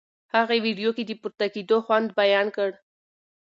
هغې ویډیو کې د پورته کېدو خوند بیان کړ.